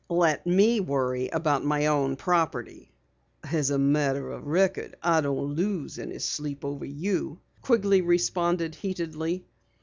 "Let me worry about my own property." "As a matter of record, I don't lose any sleep over you," Quigley responded heatedly.